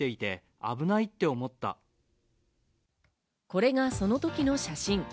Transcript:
これがその時の写真。